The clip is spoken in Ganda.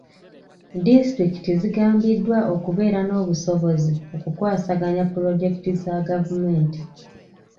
Disitulikiti zigambiddwa okubeera n'obusobozi okukwasaganya pulojekiti za gavumenti.